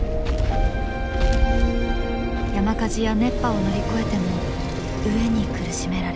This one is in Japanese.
山火事や熱波を乗り越えても飢えに苦しめられる。